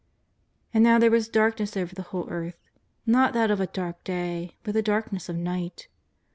And now there was darkness over the whole earth, not that of a dark day, but the darkness of night.